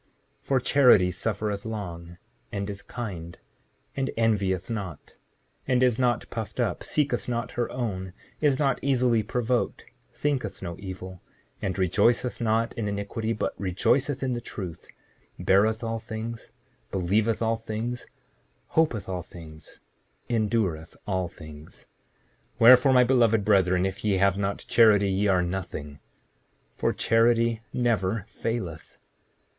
7:45 And charity suffereth long, and is kind, and envieth not, and is not puffed up, seeketh not her own, is not easily provoked, thinketh no evil, and rejoiceth not in iniquity but rejoiceth in the truth, beareth all things, believeth all things, hopeth all things, endureth all things. 7:46 Wherefore, my beloved brethren, if ye have not charity, ye are nothing, for charity never faileth.